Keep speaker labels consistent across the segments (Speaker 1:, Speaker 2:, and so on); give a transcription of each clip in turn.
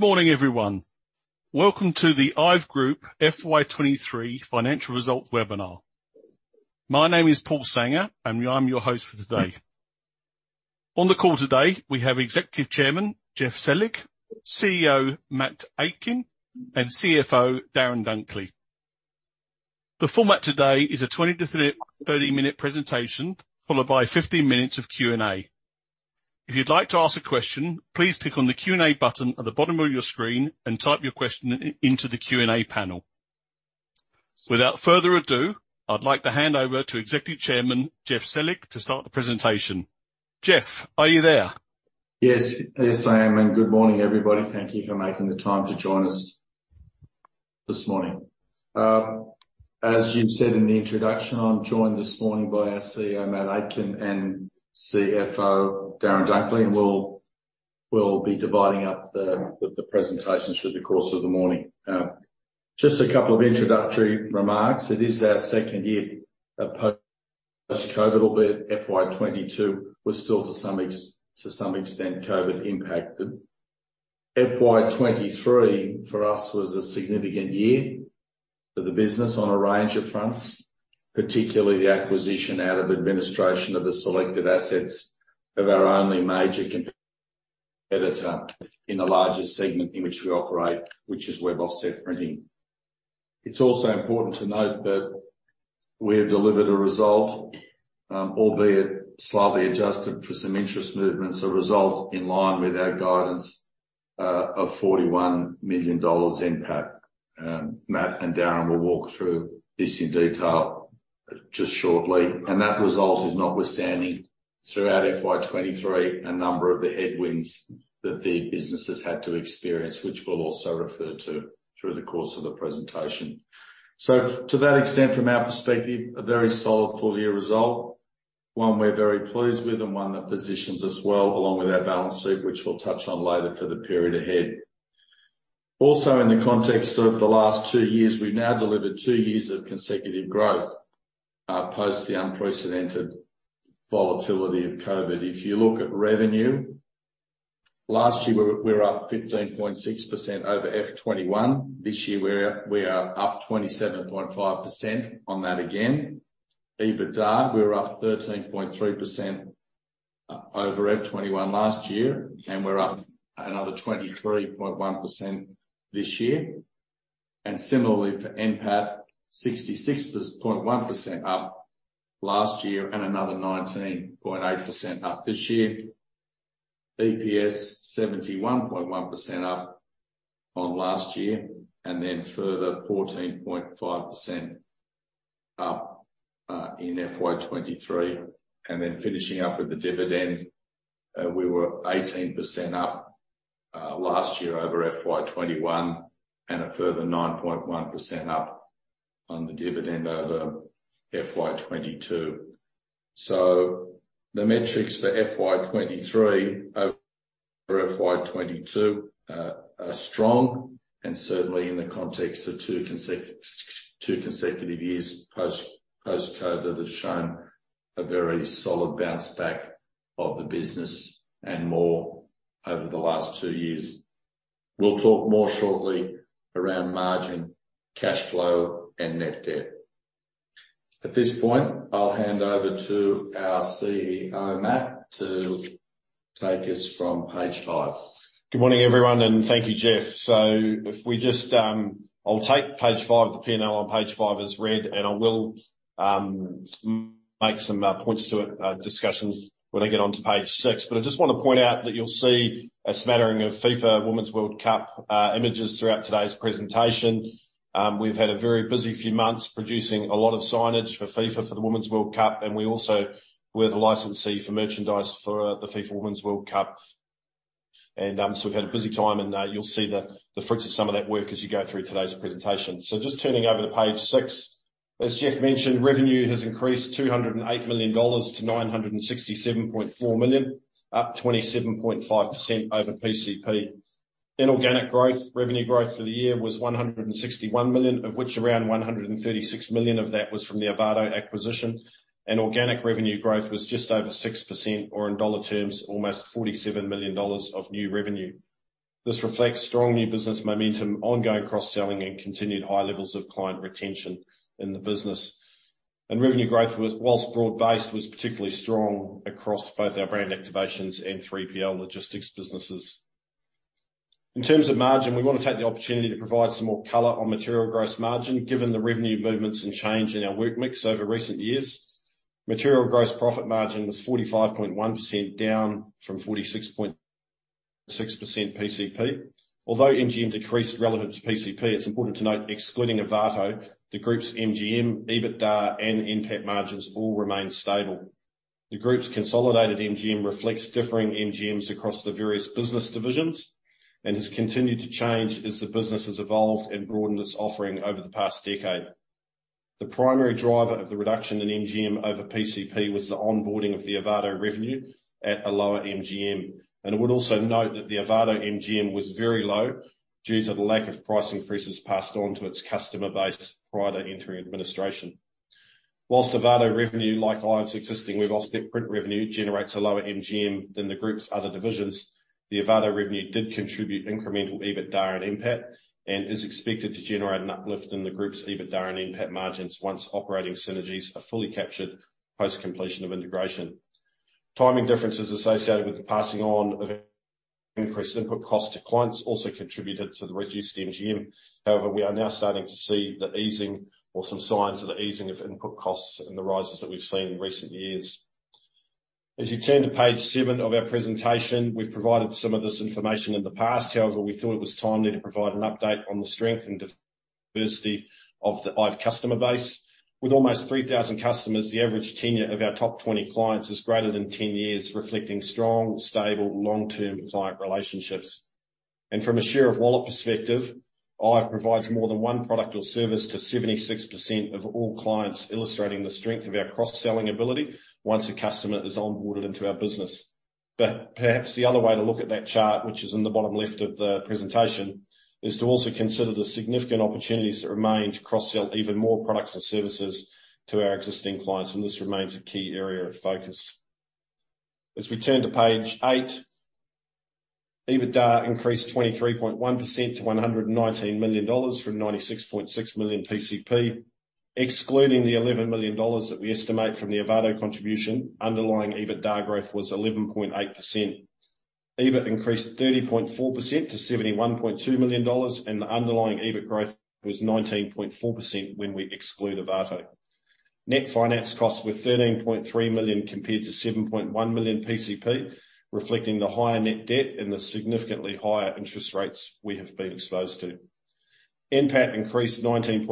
Speaker 1: Good morning, everyone. Welcome to the IVE Group FY 2023 Financial Results Webinar. My name is Paul Sanger, and I'm your host for today. On the call today, we have Executive Chairman Geoff Selig, CEO Matt Aitken, and CFO Darren Dunkley. The format today is a 20- to 30-minute presentation, followed by 15 minutes of Q&A. If you'd like to ask a question, please click on the Q&A button at the bottom of your screen and type your question into the Q&A panel. Without further ado, I'd like to hand over to Executive Chairman Geoff Selig to start the presentation. Geoff, are you there?
Speaker 2: Yes. Yes, I am, and good morning, everybody. Thank you for making the time to join us this morning. As you've said in the introduction, I'm joined this morning by our CEO, Matt Aitken, and CFO, Darren Dunkley, and we'll be dividing up the presentations through the course of the morning. Just a couple of introductory remarks. It is our second year of post-COVID, albeit FY 2022 was still, to some extent, COVID impacted. FY 2023, for us, was a significant year for the business on a range of fronts, particularly the acquisition out of administration of the selected assets of our only major competitor in the larger segment in which we operate, which is Web Offset Printing. It's also important to note that we have delivered a result, albeit slightly adjusted for some interest movements, a result in line with our guidance, of 41 million dollars NPAT. Matt and Darren will walk through this in detail just shortly. That result is notwithstanding, throughout FY 2023, a number of the headwinds that the businesses had to experience, which we'll also refer to through the course of the presentation. To that extent, from our perspective, a very solid full year result, one we're very pleased with and one that positions us well, along with our balance sheet, which we'll touch on later for the period ahead. Also, in the context of the last two years, we've now delivered two years of consecutive growth, post the unprecedented volatility of COVID. If you look at revenue, last year, we were up 15.6% over FY 2021. This year, we're up 27.5% on that again. EBITDA, we were up 13.3% over FY 2021 last year, and we're up another 23.1% this year. And similarly for NPAT, 66.1% up last year and another 19.8% up this year. EPS, 71.1% up on last year, and then further 14.5% up in FY 2023. And then finishing up with the dividend, we were 18% up last year over FY 2021, and a further 9.1% up on the dividend over FY 2022. So the metrics for FY2023 over FY2022 are strong and certainly in the context of two consecutive years, post-COVID, have shown a very solid bounce back of the business and moreover the last two years. We'll talk more shortly around margin, cash flow, and net debt. At this point, I'll hand over to our CEO, Matt, to take us from page five.
Speaker 3: Good morning, everyone, and thank you, Geoff. So if we just, I'll take page five. The P&L on page five is read, and I will make some points to it, discussions when I get onto page six. But I just want to point out that you'll see a smattering of FIFA Women's World Cup images throughout today's presentation. We've had a very busy few months producing a lot of signage for FIFA for the Women's World Cup, and we also, we're the licensee for merchandise for the FIFA Women's World Cup. And so we've had a busy time, and you'll see the fruits of some of that work as you go through today's presentation. So just turning over to page six. As Geoff mentioned, revenue has increased 208 to 967.4 million, up 27.5% over PCP. Inorganic growth, revenue growth for the year was 161 million, of which around 136 million of that was from the Ovato acquisition. And organic revenue growth was just over 6%, or in dollar terms, almost 47 million dollars of new revenue. This reflects strong new business momentum, ongoing cross-selling, and continued high levels of client retention in the business. And revenue growth was, while broad-based, was particularly strong across both our brand activations and 3PL logistics businesses. In terms of margin, we want to take the opportunity to provide some more color on material gross margin, given the revenue movements and change in our work mix over recent years. Material gross profit margin was 45.1%, down from 46.6% PCP. Although MGM decreased relative to PCP, it's important to note, excluding Ovato, the group's MGM, EBITDA, and NPAT margins all remained stable. The group's consolidated MGM reflects differing MGMs across the various business divisions and has continued to change as the business has evolved and broadened its offering over the past decade. The primary driver of the reduction in MGM over PCP was the onboarding of the Ovato revenue at a lower MGM. And I would also note that the Ovato MGM was very low due to the lack of pricing increases passed on to its customer base prior to entering administration. While Ovato revenue, like IVE's existing Web Offset print revenue, generates a lower MGM than the group's other divisions, the Ovato revenue did contribute incremental EBITDA and NPAT, and is expected to generate an uplift in the group's EBITDA and NPAT margins once operating synergies are fully captured, post completion of integration. Timing differences associated with the passing on of increased input costs to clients also contributed to the reduced MGM. However, we are now starting to see the easing or some signs of the easing of input costs and the rises that we've seen in recent years. As you turn to page seven of our presentation, we've provided some of this information in the past. However, we thought it was timely to provide an update on the strength and diversity of the IVE customer base. With almost 3,000 customers, the average tenure of our top 20 clients is greater than 10 years, reflecting strong, stable, long-term client relationships. From a share of wallet perspective, IVE provides more than one product or service to 76% of all clients, illustrating the strength of our cross-selling ability once a customer is onboarded into our business. Perhaps the other way to look at that chart, which is in the bottom left of the presentation, is to also consider the significant opportunities that remain to cross-sell even more products and services to our existing clients, and this remains a key area of focus. As we turn to page eight, EBITDA increased 23.1% to 119 from 96.6 million PCP, excluding the 11 million dollars that we estimate from the Ovato contribution. Underlying EBITDA growth was 11.8%. EBIT increased 30.4% to 71.2 million dollars, and the underlying EBIT growth was 19.4% when we exclude Ovato. Net finance costs were 13.3 million compared to 7.1 million PCP, reflecting the higher net debt and the significantly higher interest rates we have been exposed to. NPAT increased 19.8%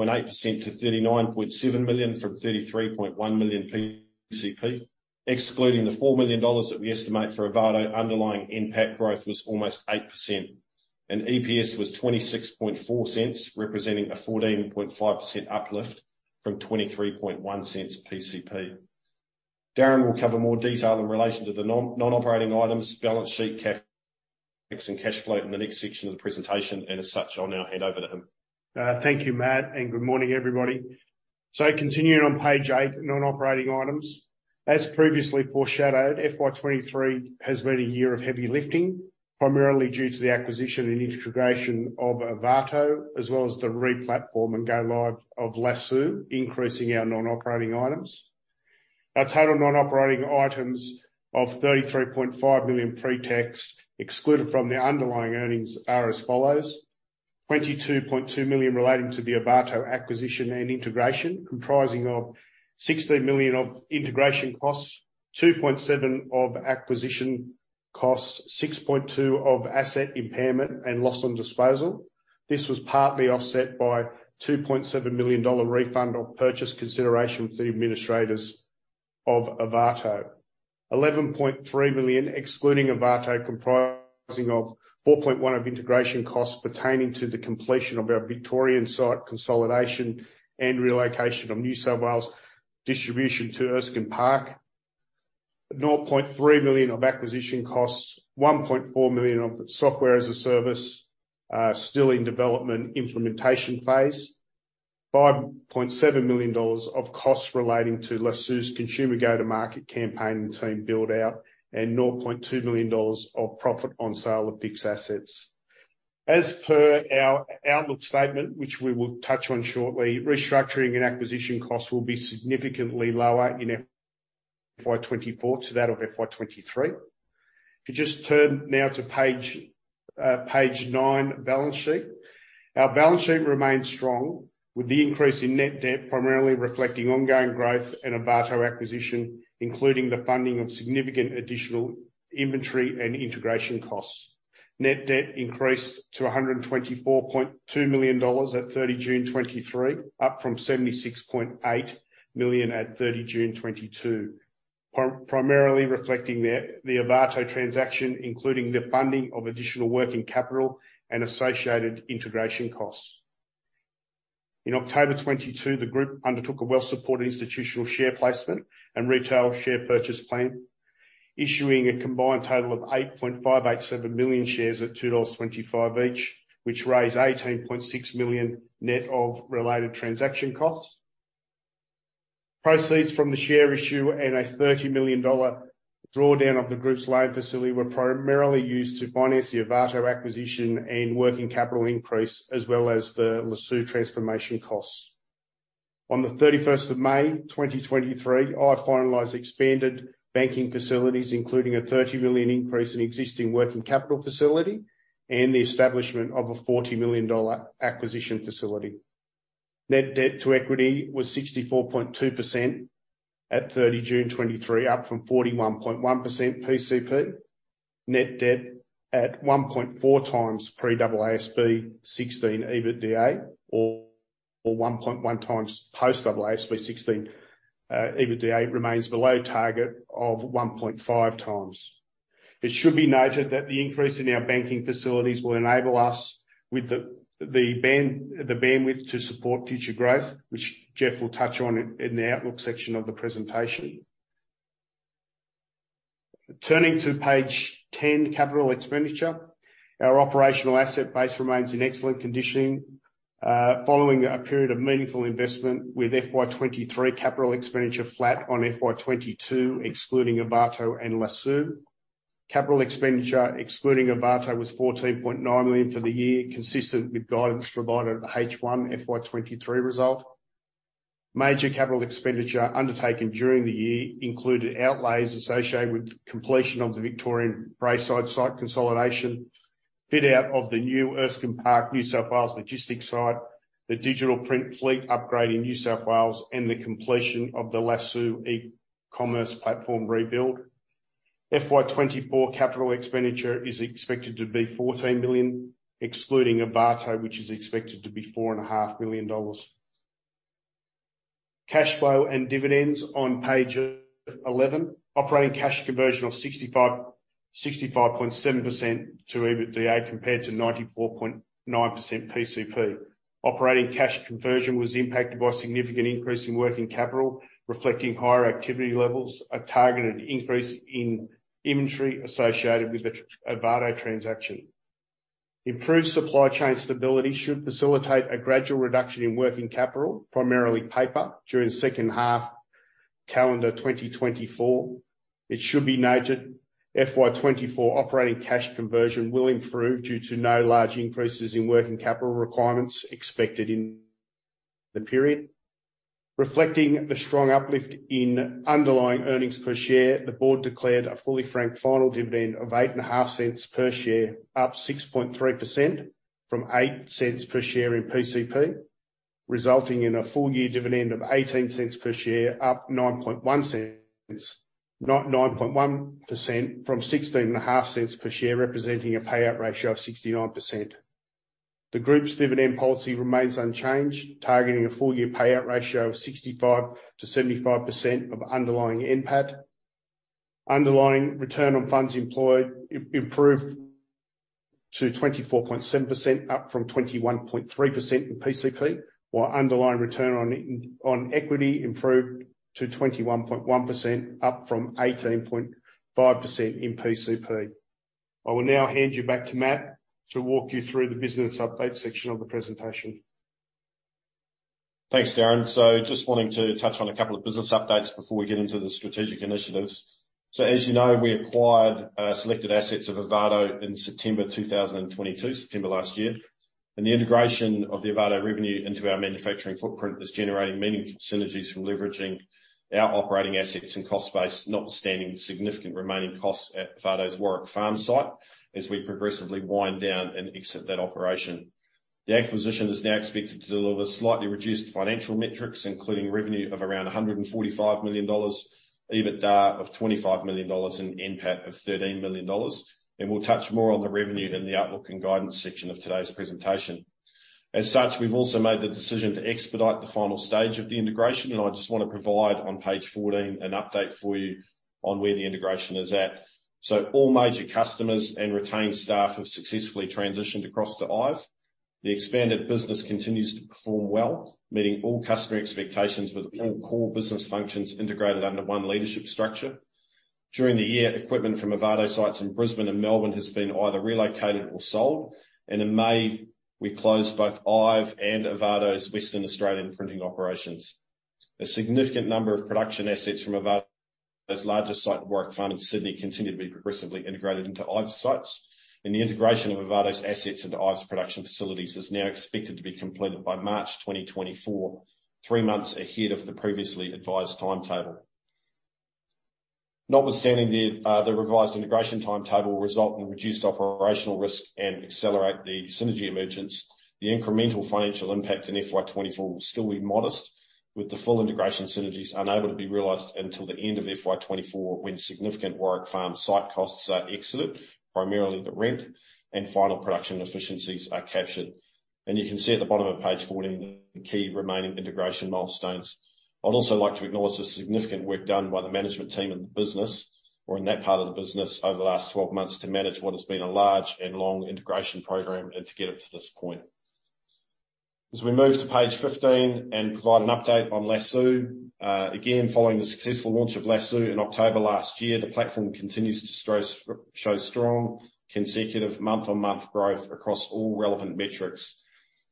Speaker 3: to 39.7 from 33.1 million PCP. Excluding the 4 million dollars that we estimate for Ovato, underlying NPAT growth was almost 8%, and EPS was 0.264, representing a 14.5% uplift from 0.231 PCP. Darren will cover more detail in relation to the non-operating items, balance sheet, CapEx, and cash flow in the next section of the presentation, and as such, I'll now hand over to him.
Speaker 4: Thank you, Matt, and good morning, everybody. Continuing on page eight, non-operating items. As previously foreshadowed, FY 2023 has been a year of heavy lifting, primarily due to the acquisition and integration of Ovato, as well as the re-platform and go live of Lasoo, increasing our non-operating items. Our total non-operating items of 33.5 million pre-tax, excluded from the underlying earnings, are as follows: 22.2 million relating to the Ovato acquisition and integration, comprising 16 million of integration costs, 2.7 of acquisition costs, 6.2 of asset impairment and loss on disposal. This was partly offset by 2.7 million dollar refund of purchase consideration for the administrators of Ovato. 11.3 million, excluding Ovato, comprising of 4.1 million of integration costs pertaining to the completion of our Victorian site consolidation and relocation of New South Wales distribution to Erskine Park. 0.3 million of acquisition costs, 1.4 million of software as a service, still in development implementation phase. 5.7 million dollars of costs relating to Lasoo's consumer go-to-market campaign and team build-out, and 0.2 million dollars of profit on sale of fixed assets. As per our outlook statement, which we will touch on shortly, restructuring and acquisition costs will be significantly lower in FY 2024 to that of FY 2023. If you just turn now to page nine, balance sheet. Our balance sheet remains strong, with the increase in net debt primarily reflecting ongoing growth and Ovato acquisition, including the funding of significant additional inventory and integration costs. Net debt increased to 124.2 at 30 June 2023, up from 76.8 million at 30 June 2022. Primarily reflecting the Ovato transaction, including the funding of additional working capital and associated integration costs. In October 2022, the group undertook a well-supported institutional share placement and retail share purchase plan, issuing a combined total of 8.587 million shares at 2.25 dollars each, which raised 18.6 million, net of related transaction costs. Proceeds from the share issue and a 30 million dollar drawdown of the Group's loan facility were primarily used to finance the Ovato acquisition and working capital increase, as well as the Lasoo transformation costs. On the 31 May, 2023, IVE finalized expanded banking facilities, including a 30 million increase in existing working capital facility and the establishment of a 40 million dollar acquisition facility. Net debt to equity was 64.2% at 30 June 2023, up from 41.1% PCP. Net debt at 1.4x pre-AASB 16 EBITDA, or, or 1.1x post-AASB 16 EBITDA remains below target of 1.5x. It should be noted that the increase in our banking facilities will enable us with the bandwidth to support future growth, which Geoff will touch on in the outlook section of the presentation. Turning to page ten, capital expenditure. Our operational asset base remains in excellent conditioning, following a period of meaningful investment with FY 2023 capital expenditure flat on FY 2022, excluding Ovato and Lasoo. Capital expenditure, excluding Ovato, was 14.9 million for the year, consistent with guidance provided at the H1 FY 2023 result. Major capital expenditure undertaken during the year included outlays associated with completion of the Victorian Braeside site consolidation, fit out of the new Erskine Park, New South Wales logistics site, the digital print fleet upgrade in New South Wales, and the completion of the Lasoo e-commerce platform rebuild. FY 2024 capital expenditure is expected to be 14 million, excluding Ovato, which is expected to be 4.5 million dollars. Cash flow and dividends on page 11. Operating cash conversion of 65%, 65.7% to EBITDA, compared to 94.9% PCP. Operating cash conversion was impacted by a significant increase in working capital, reflecting higher activity levels, a targeted increase in inventory associated with the Ovato transaction. Improved supply chain stability should facilitate a gradual reduction in working capital, primarily paper, during the second half calendar 2024. It should be noted, FY 2024 operating cash conversion will improve due to no large increases in working capital requirements expected in the period. Reflecting the strong uplift in underlying earnings per share, the Board declared a fully franked final dividend of 0.085 per share, up 6.3% from 0.08 per share in PCP, resulting in a full year dividend of 0.18 per share, up 9.1% from 0.165 per share, representing a payout ratio of 69%. The group's dividend policy remains unchanged, targeting a full year payout ratio of 65%-75% of underlying NPAT. Underlying return on funds employed improved to 24.7%, up from 21.3% in PCP, while underlying return on equity improved to 21.1%, up from 18.5% in PCP. I will now hand you back to Matt to walk you through the business update section of the presentation.
Speaker 3: Thanks, Darren. So just wanting to touch on a couple of business updates before we get into the strategic initiatives. So as you know, we acquired selected assets of Ovato in September 2022, September last year. And the integration of the Ovato revenue into our manufacturing footprint is generating meaningful synergies from leveraging our operating assets and cost base, notwithstanding the significant remaining costs at Ovato's Warwick Farm site, as we progressively wind down and exit that operation. The acquisition is now expected to deliver slightly reduced financial metrics, including revenue of around 145 million dollars, EBITDA of 25 million dollars, and NPAT of 13 million dollars. And we'll touch more on the revenue in the outlook and guidance section of today's presentation. As such, we've also made the decision to expedite the final stage of the integration, and I just want to provide, on page 14, an update for you on where the integration is at. So all major customers and retained staff have successfully transitioned across to IVE. The expanded business continues to perform well, meeting all customer expectations, with all core business functions integrated under one leadership structure. During the year, equipment from Ovato sites in Brisbane and Melbourne has been either relocated or sold, and in May, we closed both IVE and Ovato's Western Australian printing operations. A significant number of production assets from Ovato's largest site, Warwick Farm in Sydney, continue to be progressively integrated into IVE sites, and the integration of Ovato's assets into IVE's production facilities is now expected to be completed by March 2024, three months ahead of the previously advised timetable. Notwithstanding the revised integration timetable will result in reduced operational risk and accelerate the synergy emergence, the incremental financial impact in FY 2024 will still be modest, with the full integration synergies unable to be realized until the end of FY 2024, when significant Warwick Farm site costs are exited, primarily the rent, and final production efficiencies are captured. And you can see at the bottom of page 14, the key remaining integration milestones. I'd also like to acknowledge the significant work done by the management team and the business, or in that part of the business, over the last 12 months, to manage what has been a large and long integration program and to get it to this point. As we move to page 15 and provide an update on Lasoo. Again, following the successful launch of Lasoo in October last year, the platform continues to show strong consecutive month-on-month growth across all relevant metrics.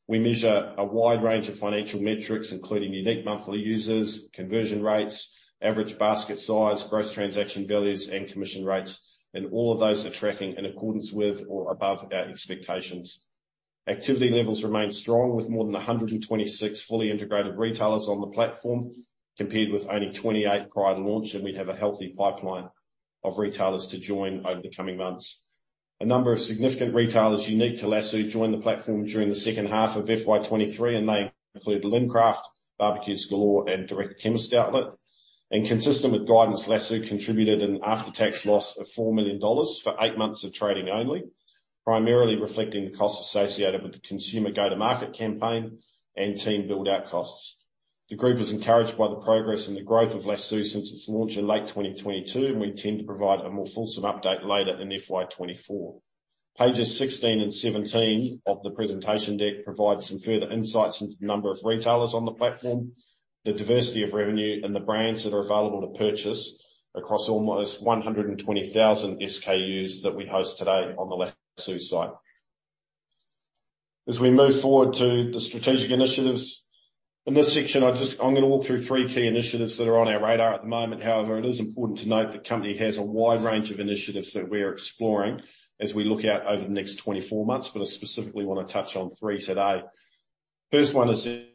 Speaker 3: We measure a wide range of financial metrics, including unique monthly users, conversion rates, average basket size, gross transaction values, and commission rates. All of those are tracking in accordance with or above our expectations. Activity levels remain strong, with more than 126 fully integrated retailers on the platform, compared with only 28 prior to launch, and we'd have a healthy pipeline of retailers to join over the coming months. A number of significant retailers unique to Lasoo joined the platform during the second half of FY 2023, and they include Lincraft, Barbeques Galore, and Direct Chemist Outlet. Consistent with guidance, Lasoo contributed an after-tax loss of 4 million dollars for eight months of trading only, primarily reflecting the costs associated with the consumer go-to-market campaign and team build-out costs. The group is encouraged by the progress and the growth of Lasoo since its launch in late 2022, and we intend to provide a more fulsome update later in FY 2024.... Pages 16 and 17 of the presentation deck provide some further insights into the number of retailers on the platform, the diversity of revenue, and the brands that are available to purchase across almost 120,000 SKUs that we host today on the Lasoo site. As we move forward to the strategic initiatives, in this section, I'm going to walk through three key initiatives that are on our radar at the moment. However, it is important to note, the company has a wide range of initiatives that we're exploring as we look out over the next 24 months, but I specifically want to touch on three today. First one is the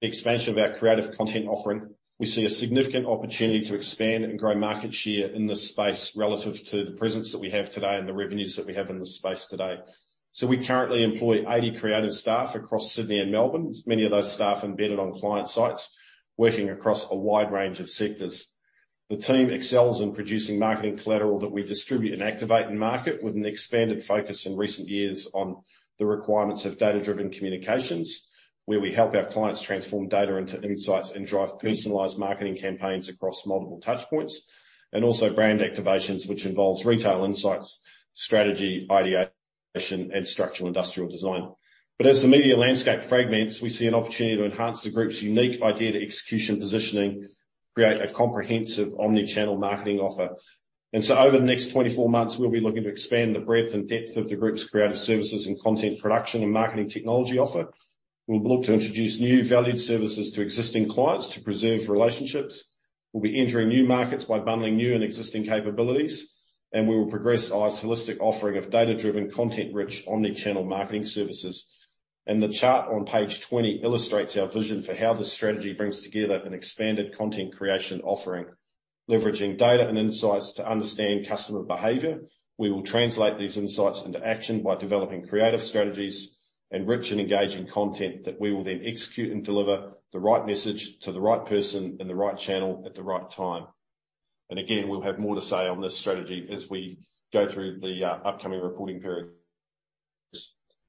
Speaker 3: expansion of our creative content offering. We see a significant opportunity to expand and grow market share in this space relative to the presence that we have today and the revenues that we have in this space today. So we currently employ 80 creative staff across Sydney and Melbourne. Many of those staff embedded on client sites, working across a wide range of sectors. The team excels in producing marketing collateral that we distribute and activate in market, with an expanded focus in recent years on the requirements of data-driven communications, where we help our clients transform data into insights and drive personalized marketing campaigns across multiple touch points, and also brand activations, which involves retail insights, strategy, ideation, and structural industrial design. But as the media landscape fragments, we see an opportunity to enhance the group's unique idea to execution positioning, create a comprehensive omni-channel marketing offer. And so over the next 24 months, we'll be looking to expand the breadth and depth of the group's creative services and content production and marketing technology offer. We'll look to introduce new valued services to existing clients to preserve relationships. We'll be entering new markets by bundling new and existing capabilities, and we will progress our holistic offering of data-driven, content-rich, omni-channel marketing services. The chart on page 20 illustrates our vision for how this strategy brings together an expanded content creation offering. Leveraging data and insights to understand customer behavior, we will translate these insights into action by developing creative strategies and rich and engaging content that we will then execute and deliver the right message, to the right person, in the right channel, at the right time. And again, we'll have more to say on this strategy as we go through the upcoming reporting period.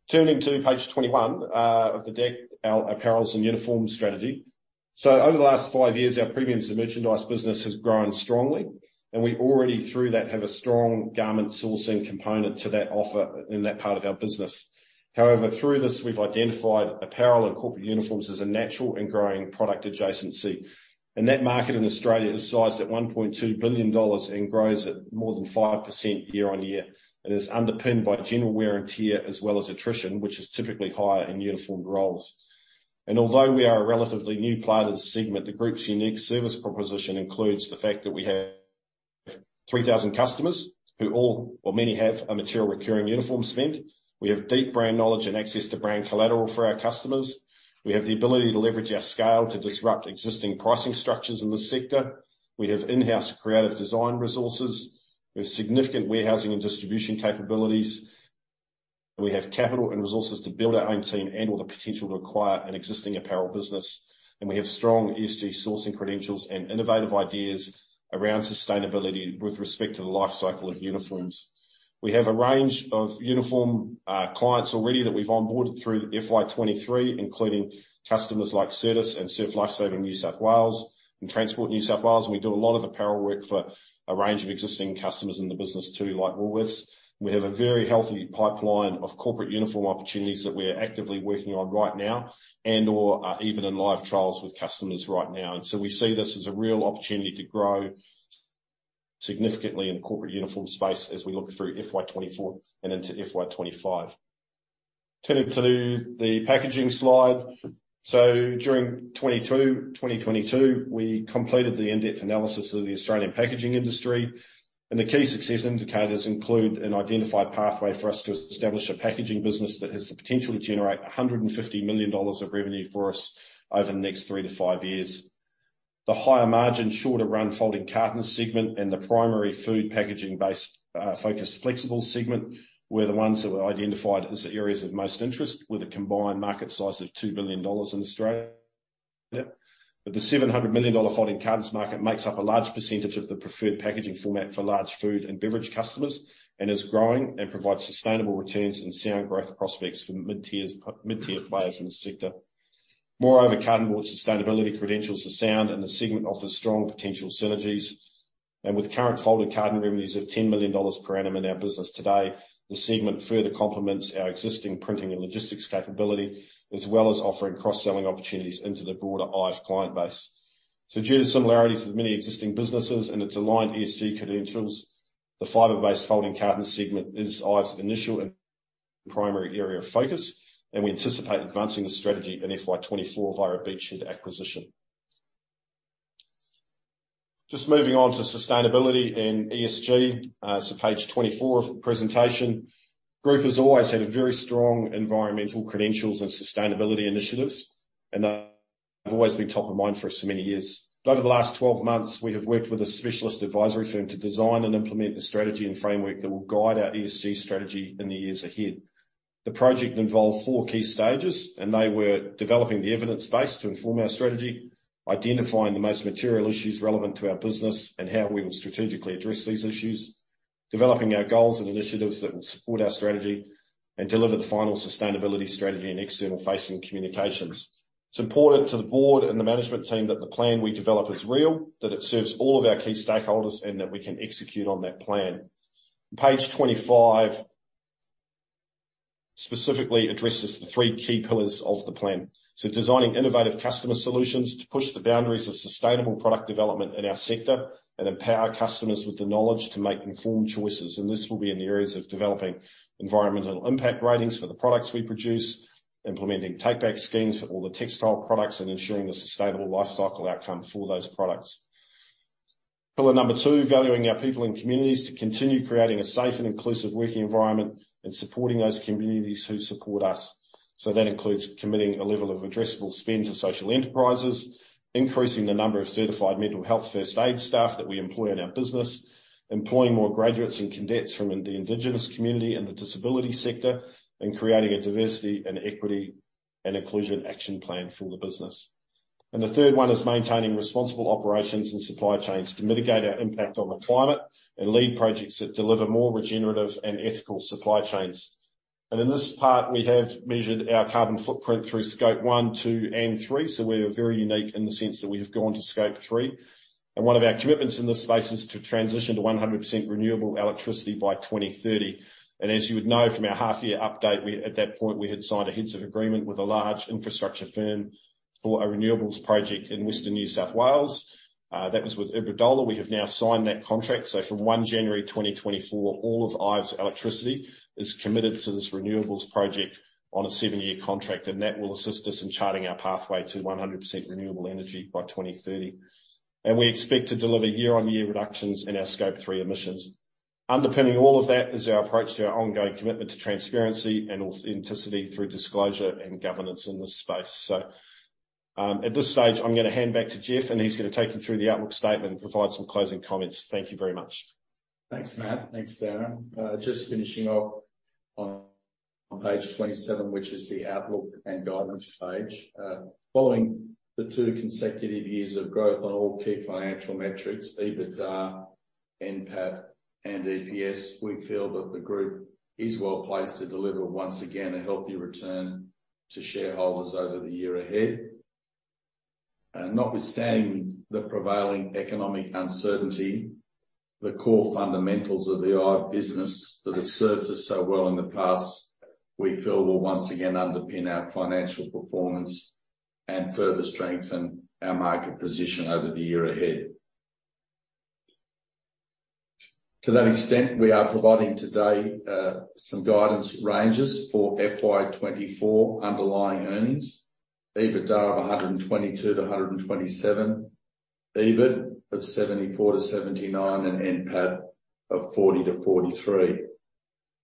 Speaker 3: Turning to page 21 of the deck, our apparels and uniform strategy. So over the last five years, our premiums and merchandise business has grown strongly, and we already, through that, have a strong garment sourcing component to that offer in that part of our business. However, through this, we've identified apparel and corporate uniforms as a natural and growing product adjacency, and that market in Australia is sized at 1.2 billion dollars and grows at more than 5% year-on-year. It is underpinned by general wear and tear as well as attrition, which is typically higher in uniformed roles. And although we are a relatively new player to the segment, the group's unique service proposition includes the fact that we have 3,000 customers who all or many have a material recurring uniform spend. We have deep brand knowledge and access to brand collateral for our customers. We have the ability to leverage our scale to disrupt existing pricing structures in the sector. We have in-house creative design resources. We have significant warehousing and distribution capabilities. We have capital and resources to build our own team and/or the potential to acquire an existing apparel business. We have strong ESG sourcing credentials and innovative ideas around sustainability with respect to the life cycle of uniforms. We have a range of uniform clients already that we've onboarded through FY 2023, including customers like Certis and Surf Life Saving New South Wales and Transport New South Wales. We do a lot of apparel work for a range of existing customers in the business too, like Woolworths. We have a very healthy pipeline of corporate uniform opportunities that we are actively working on right now and/or even in live trials with customers right now. So we see this as a real opportunity to grow significantly in corporate uniform space as we look through FY 2024 and into FY 2025. Turning to the packaging slide. So during 2022, we completed the in-depth analysis of the Australian packaging industry, and the key success indicators include an identified pathway for us to establish a packaging business that has the potential to generate 150 million dollars of revenue for us over the next three to five years. The higher margin, shorter run, folding carton segment and the primary food packaging-based, focused, flexible segment were the ones that were identified as the areas of most interest, with a combined market size of 2 billion dollars in Australia. But the 700 million dollar folding cartons market makes up a large percentage of the preferred packaging format for large food and beverage customers and is growing and provides sustainable returns and sound growth prospects for mid-tiers, mid-tier players in the sector. Moreover, carton board sustainability credentials are sound, and the segment offers strong potential synergies. With current folding carton revenues of 10 million dollars per annum in our business today, the segment further complements our existing printing and logistics capability, as well as offering cross-selling opportunities into the broader IVE client base. Due to similarities with many existing businesses and its aligned ESG credentials, the fiber-based folding carton segment is IVE's initial and primary area of focus, and we anticipate advancing this strategy in FY 2024 via a beachhead acquisition. Just moving on to sustainability and ESG. So page 24 of the presentation. The Group has always had a very strong environmental credentials and sustainability initiatives, and they've always been top of mind for us for many years. But over the last 12 months, we have worked with a specialist advisory firm to design and implement a strategy and framework that will guide our ESG strategy in the years ahead. The project involved four key stages, and they were: developing the evidence base to inform our strategy, identifying the most material issues relevant to our business, and how we will strategically address these issues, developing our goals and initiatives that will support our strategy and deliver the final sustainability strategy and external facing communications. It's important to the board and the management team that the plan we develop is real, that it serves all of our key stakeholders, and that we can execute on that plan. Page 25 specifically addresses the three key pillars of the plan. Designing innovative customer solutions to push the boundaries of sustainable product development in our sector, and empower customers with the knowledge to make informed choices. This will be in the areas of developing environmental impact ratings for the products we produce, implementing take back schemes for all the textile products, and ensuring a sustainable life cycle outcome for those products. Pillar number two, valuing our people and communities. To continue creating a safe and inclusive working environment and supporting those communities who support us. So that includes committing a level of addressable spend to social enterprises, increasing the number of certified mental health first aid staff that we employ in our business, employing more graduates and cadets from the Indigenous community and the disability sector, and creating a diversity and equity and inclusion action plan for the business. The third one is maintaining responsible operations and supply chains to mitigate our impact on the climate, and lead projects that deliver more regenerative and ethical supply chains. In this part, we have measured our carbon footprint through Scope 1, 2, and 3. So we are very unique in the sense that we have gone to Scope 3, and one of our commitments in this space is to transition to 100% renewable electricity by 2030. And as you would know from our half year update, we, at that point, we had signed a heads of agreement with a large infrastructure firm for a renewables project in Western New South Wales. That was with Iberdrola. We have now signed that contract. So from 1 January 2024, all of IVE's electricity is committed to this renewables project on a seven-year contract, and that will assist us in charting our pathway to 100% renewable energy by 2030. We expect to deliver year-on-year reductions in our Scope 3 emissions. Underpinning all of that is our approach to our ongoing commitment to transparency and authenticity through disclosure and governance in this space. So, at this stage, I'm going to hand back to Geoff, and he's going to take you through the outlook statement and provide some closing comments. Thank you very much.
Speaker 2: Thanks, Matt. Thanks, Darren. Just finishing off on page 27, which is the outlook and guidance page. Following the two consecutive years of growth on all key financial metrics, EBITDA, NPAT, and EPS, we feel that the group is well placed to deliver, once again, a healthy return to shareholders over the year ahead. Notwithstanding the prevailing economic uncertainty, the core fundamentals of the IVE's business that have served us so well in the past, we feel will once again underpin our financial performance and further strengthen our market position over the year ahead. To that extent, we are providing today some guidance ranges for FY 2024 underlying earnings. EBITDA of 122-127 million, EBIT of 74-79 million, and NPAT of 40-43 million.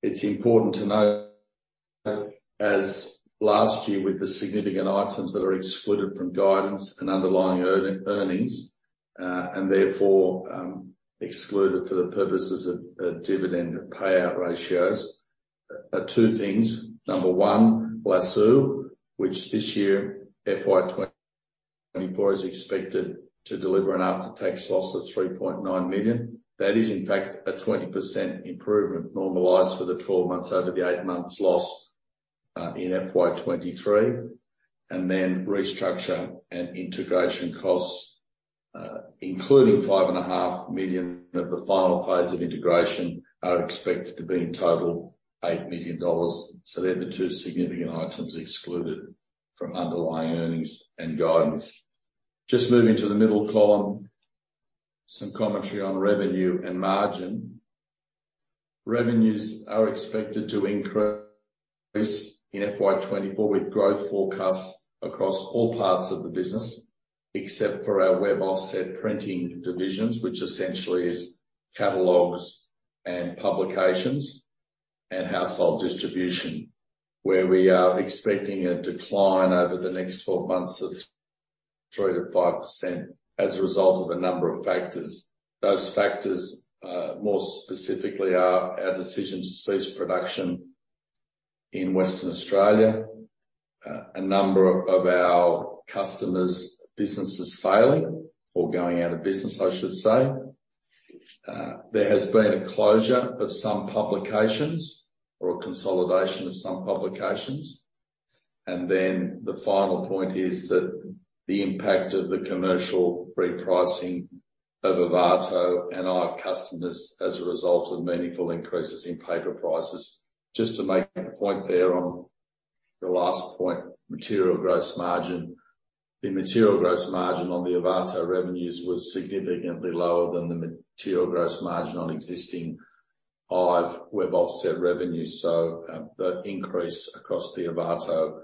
Speaker 2: It's important to note, as last year, with the significant items that are excluded from guidance and underlying earnings, and therefore, excluded for the purposes of dividend payout ratios, are two things. Number one, Lasoo, which this year, FY 2024, is expected to deliver an after-tax loss of 3.9 million. That is in fact a 20% improvement, normalized for the 12 months over the eight months loss, in FY 2023. And then restructure and integration costs, including 5.5 million, at the final phase of integration, are expected to be in total 8 million dollars. So they're the two significant items excluded from underlying earnings and guidance. Just moving to the middle column, some commentary on revenue and margin. Revenues are expected to increase in FY 2024, with growth forecasts across all parts of the business, except for our web offset printing divisions, which essentially is catalogs and publications and household distribution, where we are expecting a decline over the next 12 months of 3%-5% as a result of a number of factors. Those factors, more specifically, are our decision to cease production in Western Australia. A number of our customers' businesses failing or going out of business, I should say. There has been a closure of some publications or a consolidation of some publications. And then the final point is that the impact of the commercial repricing of Ovato and our customers as a result of meaningful increases in paper prices. Just to make a point there on the last point, material gross margin. The material gross margin on the Ovato revenues was significantly lower than the material gross margin on existing IVE's Web Offset revenues. So, that increase across the Ovato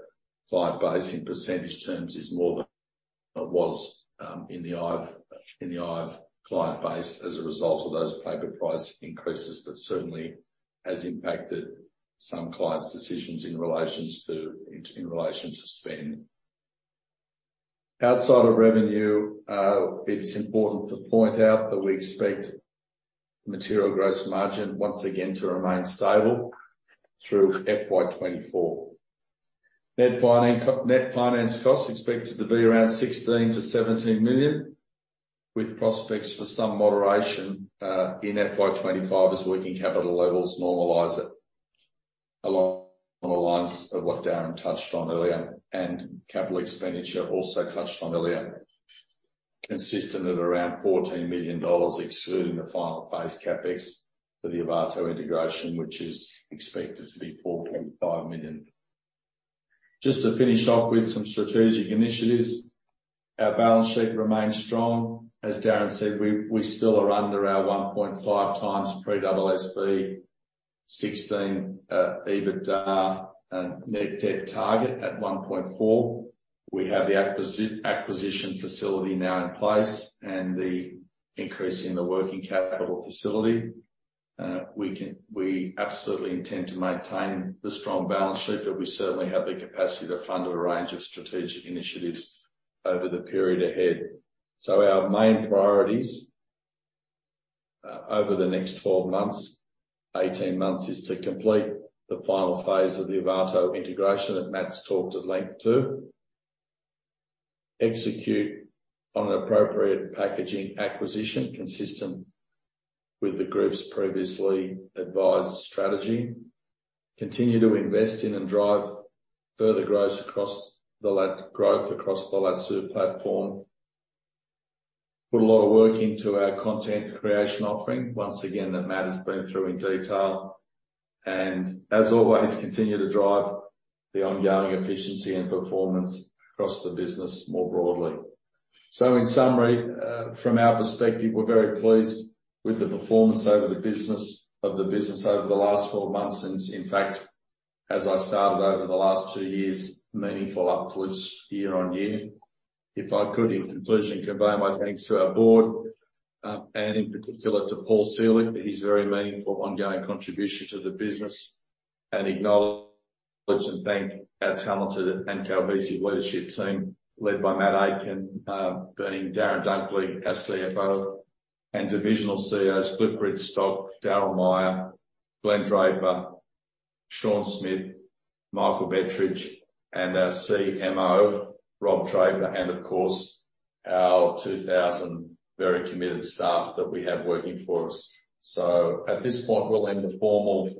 Speaker 2: client base in percentage terms is more than it was, in the IVE's, in the IVE's client base as a result of those paper price increases, but certainly has impacted some clients' decisions in relations to, in relation to spend. Outside of revenue, it is important to point out that we expect material gross margin once again to remain stable through FY 2024. Net financing - net finance costs expected to be around 16-17 million, with prospects for some moderation, in FY 2025 as working capital levels normalize it. Along the lines of what Darren touched on earlier, and capital expenditure also touched on earlier, consistent at around 14 million dollars, excluding the final phase CapEx for the Ovato integration, which is expected to be 45 million. Just to finish off with some strategic initiatives, our balance sheet remains strong. As Darren said, we still are under our 1.5x pre-AASB 16 EBITDA and net debt target at 1.4. We have the acquisition facility now in place and the increase in the working capital facility. We absolutely intend to maintain the strong balance sheet, but we certainly have the capacity to fund a range of strategic initiatives over the period ahead. So our main priorities over the next 12 months, 18 months, is to complete the final phase of the Ovato integration that Matt's talked at length to. Execute on an appropriate packaging acquisition, consistent with the group's previously advised strategy. Continue to invest in and drive further growth across the Lasoo platform. Put a lot of work into our content creation offering. Once again, that Matt has been through in detail. And as always, continue to drive the ongoing efficiency and performance across the business more broadly. So in summary, from our perspective, we're very pleased with the performance of the business over the last 12 months, and in fact, as I started over the last 2 years, meaningful upwards year-on-year. If I could, in conclusion, convey my thanks to our board, and in particular to Paul Selig, for his very meaningful, ongoing contribution to the business, and acknowledge and thank our talented and cohesive leadership team, led by Matt Aitken, and, Darren Dunkley, our CFO, and divisional CEOs, Cliff Brigstock, Darryl Meyer, Glen Draper, Sean Smith, Michael Bettridge, and our CMO, Rob Draper, and of course, our 2,000 very committed staff that we have working for us. So at this point, we'll end the formal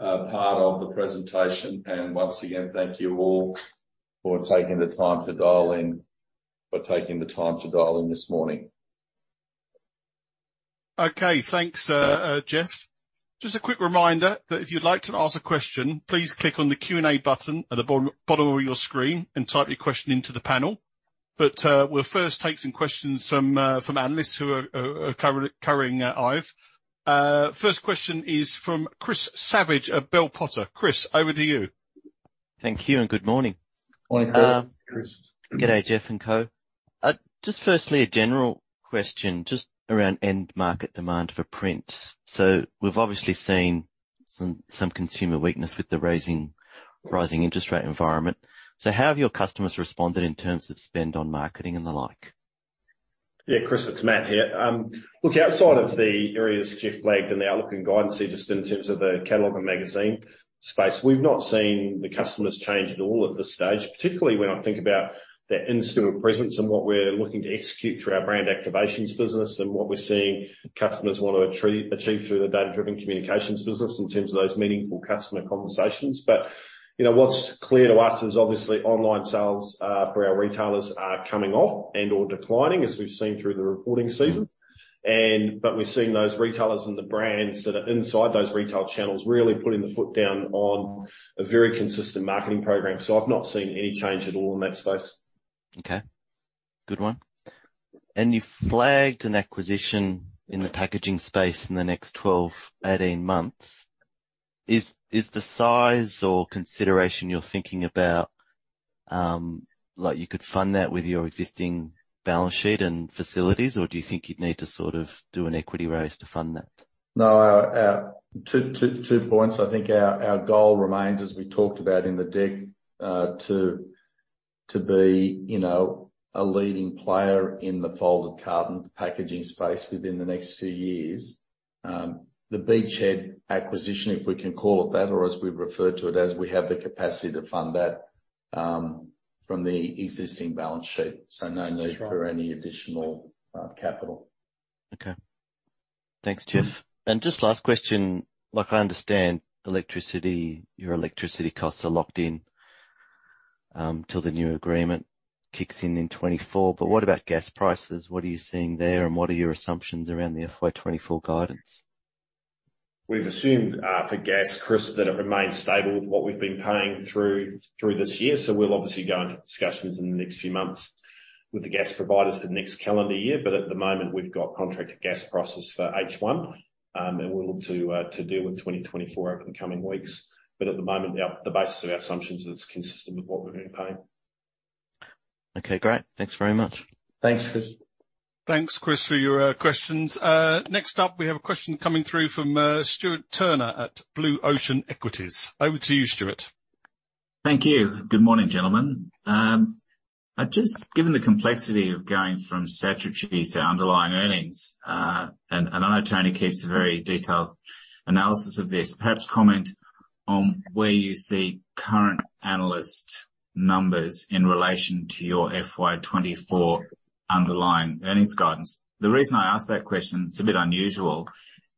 Speaker 2: part of the presentation, and once again, thank you all for taking the time to dial in this morning.
Speaker 1: Okay. Thanks, Geoff. Just a quick reminder that if you'd like to ask a question, please click on the Q&A button at the bottom of your screen and type your question into the panel. But, we'll first take some questions from analysts who are covering live. First question is from Chris Savage of Bell Potter. Chris, over to you.
Speaker 5: Thank you and good morning.
Speaker 2: Morning, Chris.
Speaker 5: Good day, Geoff and co. Just firstly, a general question just around end market demand for print. So we've obviously seen some consumer weakness with the rising interest rate environment. So how have your customers responded in terms of spend on marketing and the like?
Speaker 3: Yeah, Chris, it's Matt here. Look, outside of the areas Geoff flagged in the outlook and guidance, just in terms of the catalog and magazine space, we've not seen the customers change at all at this stage. Particularly when I think about that institutional presence and what we're looking to execute through our brand activations business, and what we're seeing customers want to achieve through the data-driven communications business in terms of those meaningful customer conversations. But you know, what's clear to us is obviously online sales for our retailers are coming off and/or declining, as we've seen through the reporting season. But we've seen those retailers and the brands that are inside those retail channels really putting the foot down on a very consistent marketing program. So I've not seen any change at all in that space.
Speaker 5: Okay, good one. You flagged an acquisition in the packaging space in the next 12-18 months. Is the size or consideration you're thinking about like you could fund that with your existing balance sheet and facilities, or do you think you'd need to sort of do an equity raise to fund that?
Speaker 2: No, two points. I think our goal remains, as we talked about in the deck, to be, you know, a leading player in the folding carton packaging space within the next few years. The Beachhead acquisition, if we can call it that, or as we've referred to it as, we have the capacity to fund that, from the existing balance sheet, so no need-
Speaker 5: Sure.
Speaker 2: -for any additional capital.
Speaker 5: Okay. Thanks, Geoff. And just last question: like I understand electricity, your electricity costs are locked in, till the new agreement kicks in in 2024, but what about gas prices? What are you seeing there, and what are your assumptions around the FY 2024 guidance?
Speaker 3: We've assumed for gas, Chris, that it remains stable, what we've been paying through, through this year. So we'll obviously go into discussions in the next few months with the gas providers for next calendar year. But at the moment, we've got contracted gas prices for H1, and we'll look to deal with 2024 over the coming weeks. But at the moment, our, the basis of our assumptions is consistent with what we've been paying.
Speaker 5: Okay, great. Thanks very much.
Speaker 2: Thanks, Chris.
Speaker 1: Thanks, Chris, for your questions. Next up, we have a question coming through from Stuart Turner at Blue Ocean Equities. Over to you, Stuart.
Speaker 6: Thank you. Good morning, gentlemen. Just given the complexity of going from statutory to underlying earnings, and I know Tony keeps a very detailed analysis of this. Perhaps comment on where you see current analyst numbers in relation to your FY 2024 underlying earnings guidance. The reason I ask that question, it's a bit unusual,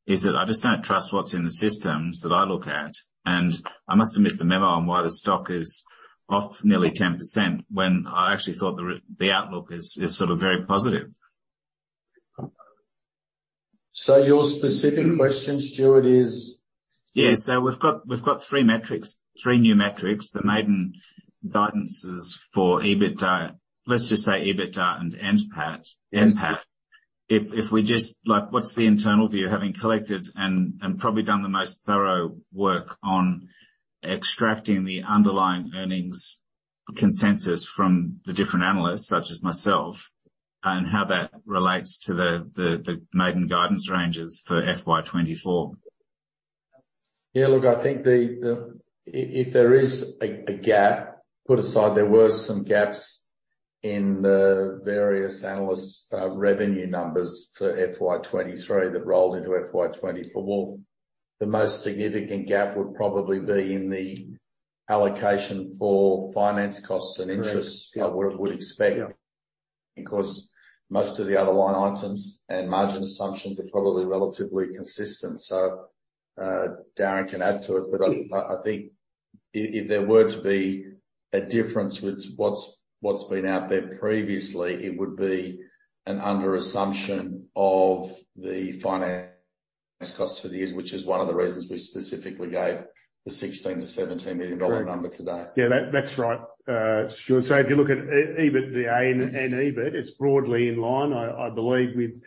Speaker 6: is that I just don't trust what's in the systems that I look at, and I must have missed the memo on why the stock is off nearly 10% when I actually thought the outlook is sort of very positive.
Speaker 2: Your specific question, Stuart, is?
Speaker 6: Yeah. So we've got three new metrics, the maiden guidances for EBITDA. Let's just say EBITDA and PAT, NPAT. If we just like— What's the internal view, having collected and probably done the most thorough work on extracting the underlying earnings consensus from the different analysts, such as myself, and how that relates to the maiden guidance ranges for FY 2024?
Speaker 2: Yeah, look, I think if there is a gap, put aside, there were some gaps in the various analysts' revenue numbers for FY 2023 that rolled into FY 2024. Well, the most significant gap would probably be in the allocation for finance costs and interests-
Speaker 4: Correct.
Speaker 2: I would expect.
Speaker 4: Yeah.
Speaker 2: Because most of the other line items and margin assumptions are probably relatively consistent. So, Darren can add to it, but I think if there were to be a difference with what's been out there previously, it would be an under assumption of the finance costs for the year, which is one of the reasons we specifically gave the 16-17 million dollar number today.
Speaker 4: Yeah, that's right, Stuart. So if you look at EBITDA and EBIT, it's broadly in line, I believe, with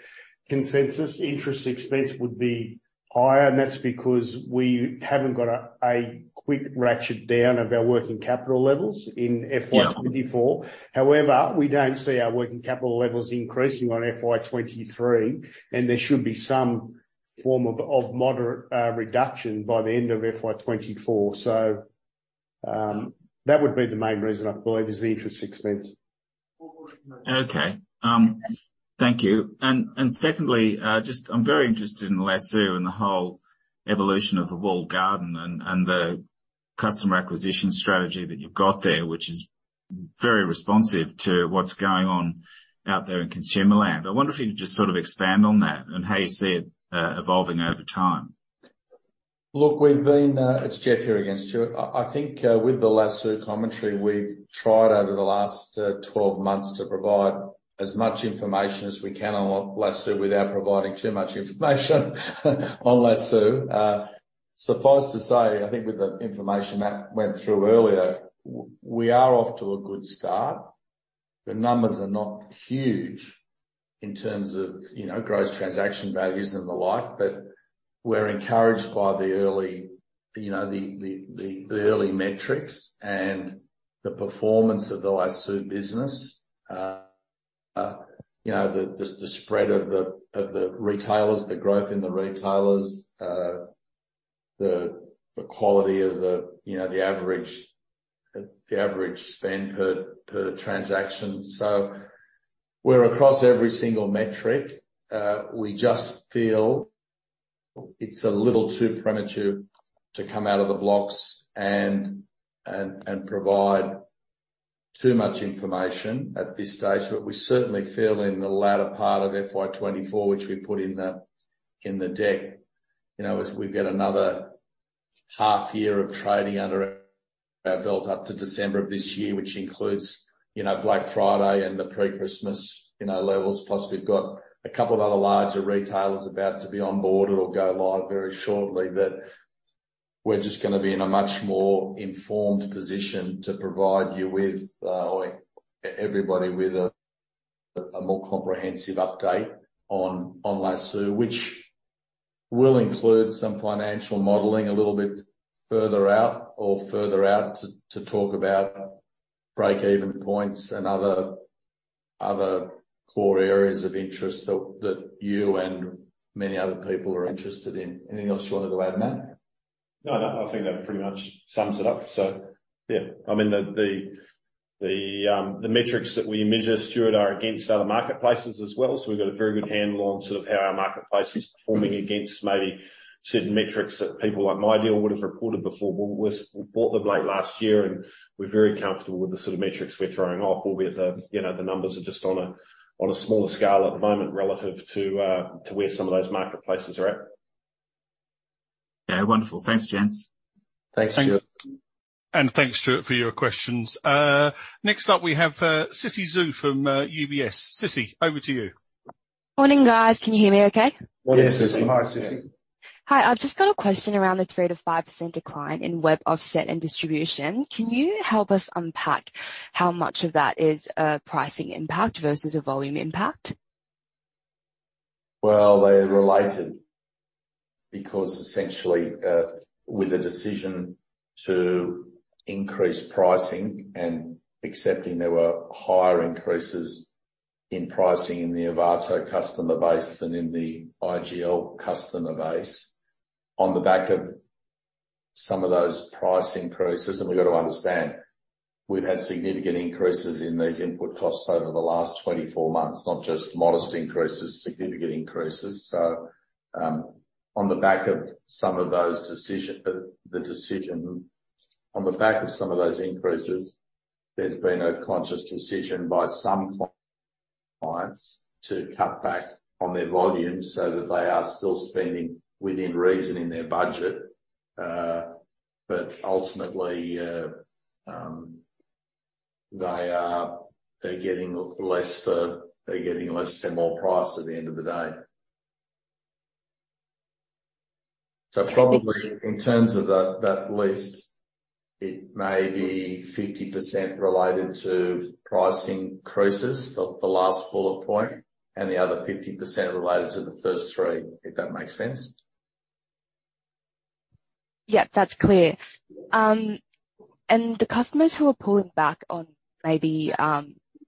Speaker 4: consensus. Interest expense would be higher, and that's because we haven't got a quick ratchet down of our working capital levels in FY 2024.
Speaker 6: Yeah.
Speaker 4: However, we don't see our working capital levels increasing on FY 2023, and there should be some form of moderate reduction by the end of FY 2024. So, that would be the main reason, I believe, is the interest expense.
Speaker 6: Okay. Thank you. And, and secondly, just I'm very interested in Lasoo and the whole evolution of the walled garden and, and the customer acquisition strategy that you've got there, which is very responsive to what's going on out there in consumer land. I wonder if you could just sort of expand on that and how you see it, evolving over time.
Speaker 2: Look, we've been, It's Geoff here again, Stuart. I think with the Lasoo commentary, we've tried over the last 12 months to provide as much information as we can on Lasoo without providing too much information on Lasoo. Suffice to say, I think with the information Matt went through earlier, we are off to a good start. The numbers are not huge in terms of, you know, gross transaction values and the like, but we're encouraged by the early, you know, the early metrics and the performance of the Lasoo business. You know, the spread of the retailers, the growth in the retailers, the quality of the, you know, the average spend per transaction. So we're across every single metric. We just feel it's a little too premature to come out of the blocks and provide too much information at this stage. But we certainly feel in the latter part of FY 2024, which we put in the deck, you know, as we've got another half year of trading under our belt up to December of this year, which includes, you know, Black Friday and the pre-Christmas levels. Plus, we've got a couple of other larger retailers about to be on board or go live very shortly, that we're just gonna be in a much more informed position to provide you with, or everybody with a more comprehensive update on Lasoo. Which will include some financial modeling a little bit further out to talk about breakeven points and other core areas of interest that you and many other people are interested in. Anything else you wanted to add, Matt?
Speaker 3: No, no. I think that pretty much sums it up. So yeah, I mean, the metrics that we measure, Stuart, are against other marketplaces as well. So we've got a very good handle on sort of how our marketplace is performing against maybe certain metrics that people like MyDeal would have reported before. We bought them late last year, and we're very comfortable with the sort of metrics we're throwing off. Albeit the, you know, the numbers are just on a smaller scale at the moment relative to, to where some of those marketplaces are at.
Speaker 6: Yeah, wonderful. Thanks, gents.
Speaker 2: Thanks, Stuart.
Speaker 1: And thanks, Stuart, for your questions. Next up, we have Sissy Zhu from UBS. Sissy, over to you.
Speaker 7: Morning, guys. Can you hear me okay?
Speaker 2: Morning, Sissy.
Speaker 3: Yes.
Speaker 2: Hi, Sissy.
Speaker 7: Hi. I've just got a question around the 3%-5% decline in web offset and distribution. Can you help us unpack how much of that is a pricing impact versus a volume impact?
Speaker 2: Well, they're related because essentially, with the decision to increase pricing and accepting there were higher increases in pricing in the Ovato customer base than in the IGL customer base, on the back of some of those price increases, and we've got to understand, we've had significant increases in these input costs over the last 24 months, not just modest increases, significant increases. So, on the back of some of those decisions, the decision. On the back of some of those increases, there's been a conscious decision by some clients to cut back on their volumes so that they are still spending within reason in their budget. But ultimately, they are, they're getting less for-- they're getting less and more price at the end of the day. Probably in terms of that list, it may be 50% related to price increases, the last bullet point, and the other 50% related to the first three, if that makes sense.
Speaker 7: Yep, that's clear. And the customers who are pulling back on maybe,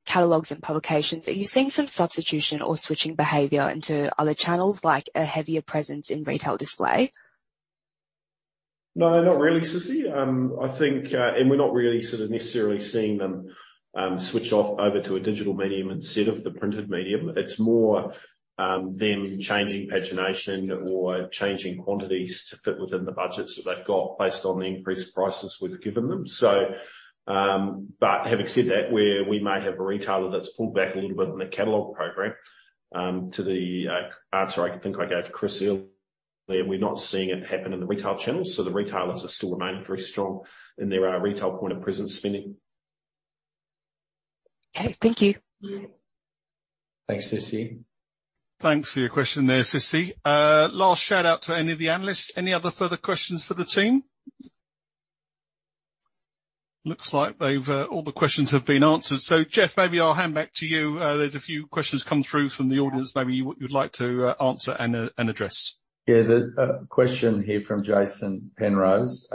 Speaker 7: catalogs and publications, are you seeing some substitution or switching behavior into other channels, like a heavier presence in retail display?
Speaker 3: No, not really, Sissy. I think, and we're not really sort of necessarily seeing them, switch off over to a digital medium instead of the printed medium. It's more, them changing pagination or changing quantities to fit within the budgets that they've got, based on the increased prices we've given them. So, but having said that, where we may have a retailer that's pulled back a little bit in the catalog program, to the, answer I think I gave to Chris earlier, we're not seeing it happen in the retail channels, so the retailers are still remaining very strong in their, retail point of presence spending.
Speaker 7: Okay. Thank you.
Speaker 2: Thanks, Sissy.
Speaker 1: Thanks for your question there, Sissy. Last shout out to any of the analysts. Any other further questions for the team? Looks like they've all the questions have been answered. So, Geoff, maybe I'll hand back to you. There's a few questions come through from the audience maybe you would like to answer and and address.
Speaker 2: Yeah. The question here from Jason Penrose.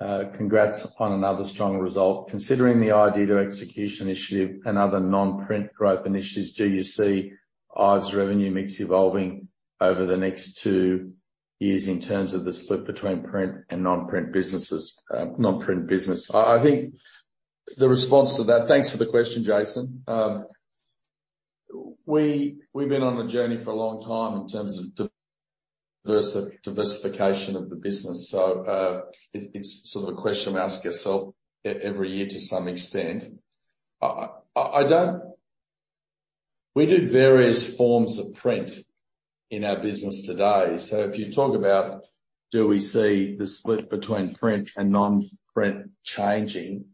Speaker 2: Congrats upon another strong result. Considering the idea to execution initiative and other non-print growth initiatives, do you see IVE's revenue mix evolving over the next two years in terms of the split between print and non-print businesses, non-print business? I think the response to that. Thanks for the question, Jason. We've been on a journey for a long time in terms of diversification of the business. So, it's sort of a question we ask ourselves every year to some extent. I don't. We do various forms of print in our business today. So if you talk about do we see the split between print and non-print changing,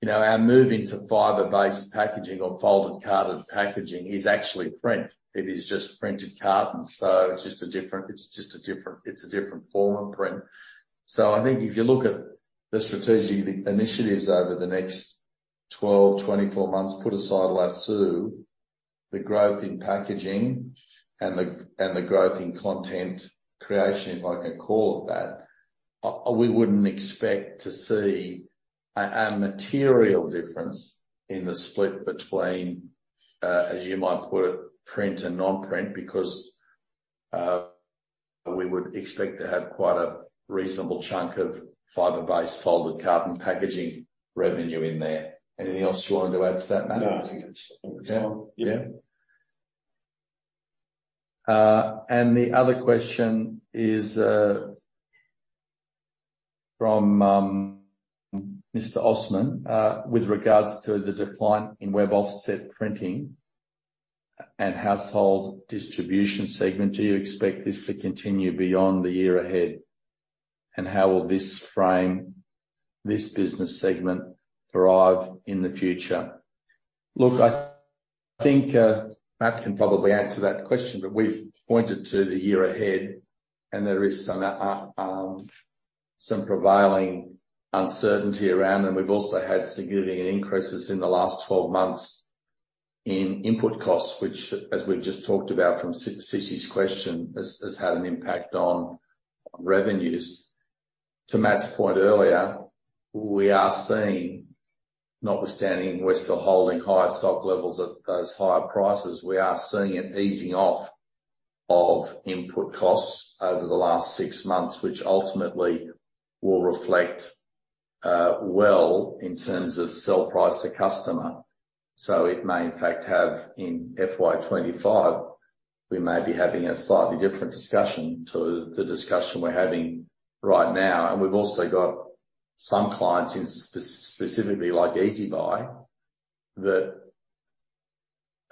Speaker 2: you know, our move into fiber-based packaging or folded carton packaging is actually print. It is just printed cartons. So it's just a different form of print. So I think if you look at the strategic initiatives over the next 12, 24 months, put aside Lasoo, the growth in packaging and the growth in content creation, if I can call it that, we wouldn't expect to see a material difference in the split between, as you might put it, print and non-print. Because we would expect to have quite a reasonable chunk of fiber-based folded carton packaging revenue in there. Anything else you wanted to add to that, Matt?
Speaker 3: No, I think it's-
Speaker 2: Yeah. And the other question is from Mr. Owen. With regards to the decline in Web Offset Printing and household distribution segment, do you expect this to continue beyond the year ahead? And how will this frame, this business segment thrive in the future? Look, I think Matt can probably answer that question, but we've pointed to the year ahead and there is some prevailing uncertainty around them. We've also had significant increases in the last 12 months in input costs, which, as we've just talked about from Sissy's question, has had an impact on revenues. To Matt's point earlier, we are seeing, notwithstanding we're still holding higher stock levels at those higher prices, we are seeing an easing off of input costs over the last six months, which ultimately will reflect, well in terms of sell price to customer. So it may in fact have in FY 2025, we may be having a slightly different discussion to the discussion we're having right now. And we've also got some clients specifically like EziBuy, that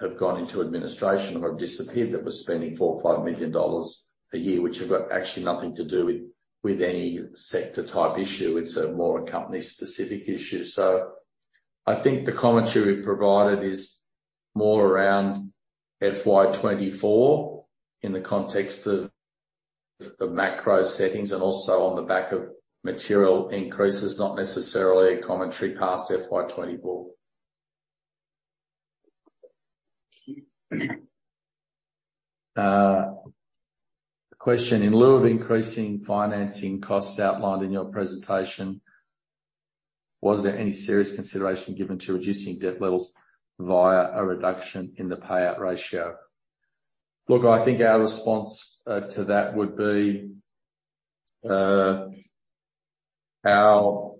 Speaker 2: have gone into administration or have disappeared, that were spending 4 million or 5 million a year, which have got actually nothing to do with any sector type issue. It's a more company-specific issue. So I think the commentary we've provided is more around FY 2024 in the context of the macro settings and also on the back of material increases, not necessarily a commentary past FY 2024.
Speaker 8: The question: In lieu of increasing financing costs outlined in your presentation, was there any serious consideration given to reducing debt levels via a reduction in the payout ratio? Look, I think our response to that would be our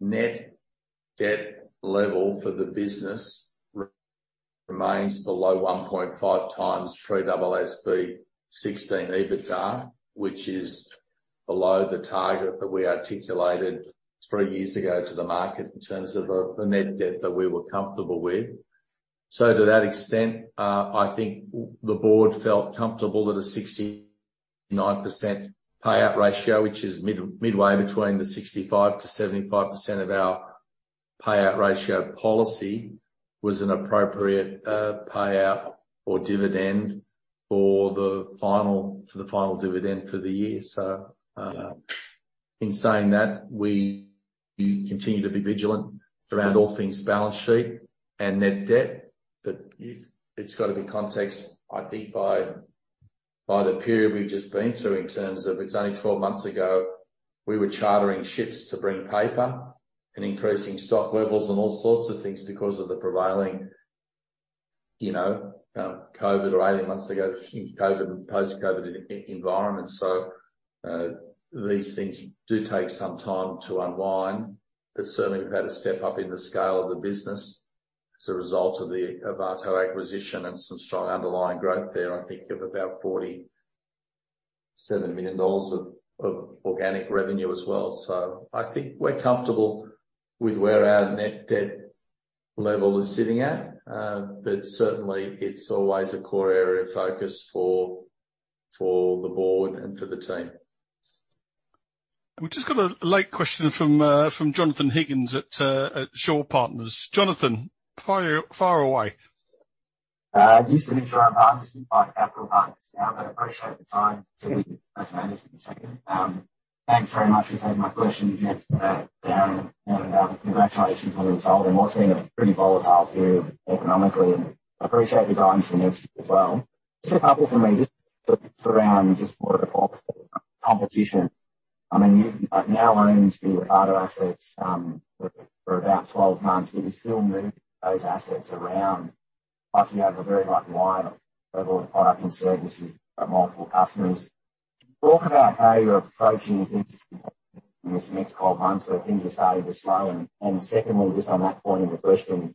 Speaker 8: net debt level for the business remains below 1.5x AASB 16 EBITDA, which is below the target that we articulated three years ago to the market in terms of the net debt that we were comfortable with. So to that extent, I think the board felt comfortable that a 69% payout ratio, which is midway between the 65%-75% of our payout ratio policy, was an appropriate payout or dividend for the final, for the final dividend for the year. So, in saying that, we continue to be vigilant around all things balance sheet and net debt, but it's got to be context, I think, by the period we've just been through in terms of it's only 12 months ago, we were chartering ships to bring paper and increasing stock levels and all sorts of things because of the prevailing, you know, COVID, or 18 months ago, COVID, post-COVID environment. So, these things do take some time to unwind, but certainly we've had a step up in the scale of the business as a result of the Ovato acquisition and some strong underlying growth there. I think of about 47 million dollars of organic revenue as well. So I think we're comfortable with where our net debt level is sitting at. But certainly it's always a core area of focus for the board and for the team.
Speaker 2: We've just got a late question from Jonathon Higgins at Shaw Partners. Jonathan, fire, fire away.
Speaker 9: Used to be Shaw Partners, Buy Capital Partners now, but I appreciate the time. Thanks very much for taking my question, Darren, and congratulations on the result and what's been a pretty volatile period economically, and I appreciate the guidance from this as well. Just a couple for me, just around, just for competition. I mean, you've now owned the other assets for about 12 months, but you still move those assets around, plus you have a very wide level of products and services for multiple customers. Talk about how you're approaching things in this next 12 months, where things are starting to slow. And secondly, just on that point in the question,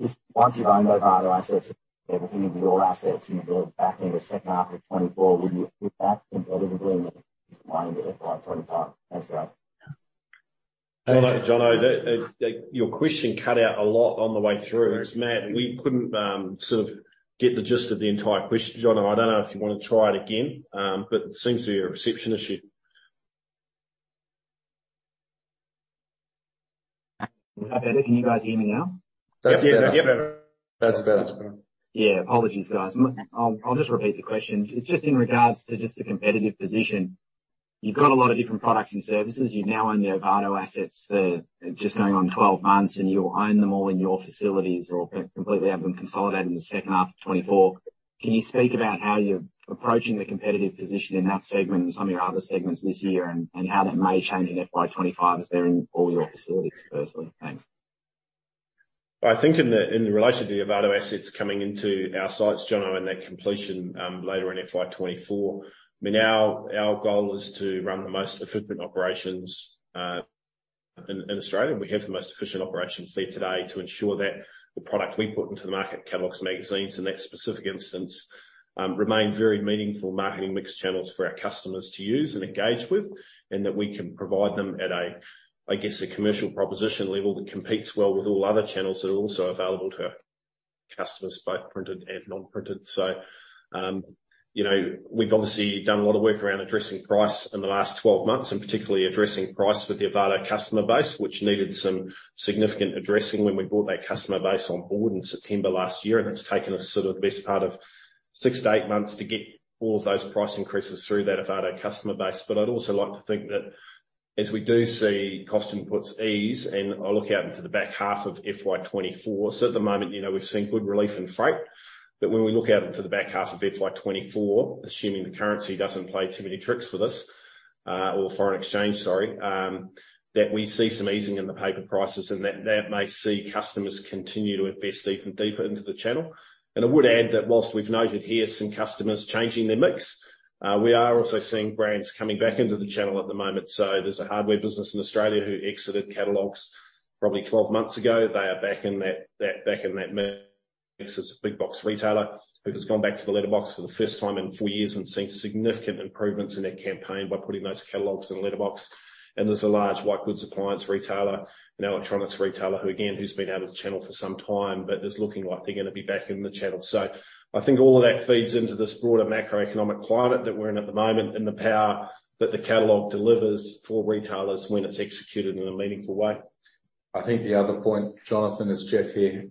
Speaker 9: just once you've owned those other assets, everything in your assets in the back end of second half of 2024, would you put that competitively in 2025? Thanks, guys.
Speaker 8: Hello, Johnno. That, your question cut out a lot on the way through. It's mad. We couldn't, sort of get the gist of the entire question. Johnno, I don't know if you want to try it again, but it seems to be a reception issue.
Speaker 9: Is that better? Can you guys hear me now?
Speaker 8: That's better. Yep, that's better.
Speaker 9: Yeah. Apologies, guys. I'll, I'll just repeat the question. It's just in regards to just the competitive position. You've got a lot of different products and services. You've now owned the Ovato assets for just going on 12 months, and you'll own them all in your facilities or completely have them consolidated in the second half of 2024. Can you speak about how you're approaching the competitive position in that segment and some of your other segments this year, and, and how that may change in FY 2025 as they're in all your facilities please? Thanks.
Speaker 4: I think in relation to the Ovato assets coming into our sites, Johnno, and that completion later in FY 2024, I mean, our goal is to run the most efficient operations in Australia. We have the most efficient operations there today to ensure that the product we put into the market, catalogs, magazines, in that specific instance, remain very meaningful marketing mix channels for our customers to use and engage with, and that we can provide them at a, I guess, a commercial proposition level that competes well with all other channels that are also available to our customers, both printed and non-printed. You know, we've obviously done a lot of work around addressing price in the last 12 months, and particularly addressing price with the Ovato customer base, which needed some significant addressing when we brought that customer base on board in September last year. It's taken us sort of the best part of six to eight months to get all those price increases through that Ovato customer base. But I'd also like to think that as we do see cost inputs ease, and I look out into the back half of FY 2024. So at the moment, you know, we've seen good relief in freight, but when we look out into the back half of FY 2024, assuming the currency doesn't play too many tricks with us, or foreign exchange, sorry, that we see some easing in the paper prices and that may see customers continue to invest even deeper into the channel. And I would add that while we've noted here some customers changing their mix, we are also seeing brands coming back into the channel at the moment. So there's a hardware business in Australia who exited catalogs probably 12 months ago. They are back in that mix. It's a big box retailer who has gone back to the letterbox for the first time in four years and seen significant improvements in their campaign by putting those catalogs in the letterbox. There's a large white goods appliance retailer, an electronics retailer, who again, who's been out of the channel for some time, but is looking like they're going to be back in the channel. So I think all of that feeds into this broader macroeconomic climate that we're in at the moment, and the power that the catalog delivers for retailers when it's executed in a meaningful way.
Speaker 2: I think the other point, Jonathan, is Geoff here,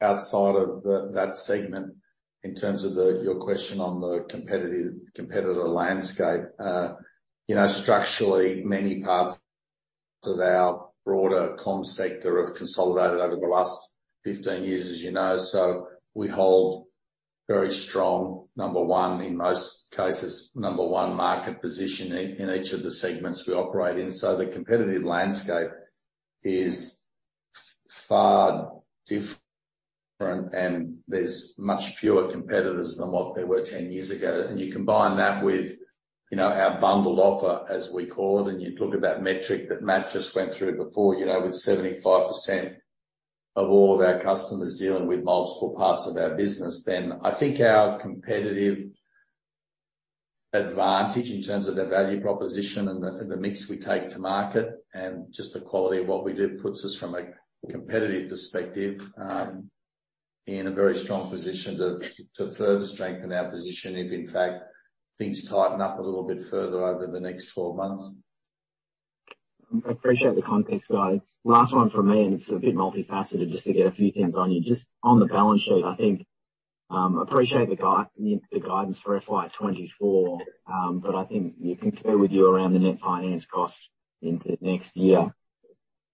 Speaker 2: outside of that segment, in terms of your question on the competitive competitor landscape. You know, structurally, many parts of our broader comms sector have consolidated over the last 15 years, as you know. So we hold very strong, number one, in most cases, number one market position in each of the segments we operate in. So the competitive landscape is far different, and there's much fewer competitors than what there were 10 years ago. You combine that with, you know, our bundled offer, as we call it, and you look at that metric that Matt just went through before, you know, with 75% of all of our customers dealing with multiple parts of our business. Then I think our competitive advantage in terms of the value proposition and the mix we take to market, and just the quality of what we do, puts us from a competitive perspective in a very strong position to further strengthen our position if in fact things tighten up a little bit further over the next 12 months.
Speaker 9: I appreciate the context, guys. Last one from me, and it's a bit multifaceted, just to get a few things on you. Just on the balance sheet, I think, appreciate the guidance for FY 2024. But I think you can bear with you around the net finance cost into next year.